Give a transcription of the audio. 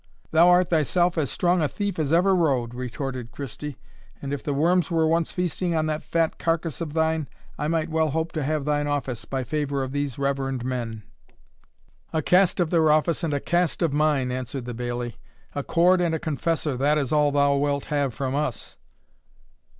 "Thou art thyself as strong a thief as ever rode," retorted Christie; "and if the worms were once feasting on that fat carcass of thine I might well hope to have thine office, by favour of these reverend men." "A cast of their office, and a cast of mine," answered the bailie; "a cord and a confessor, that is all thou wilt have from us."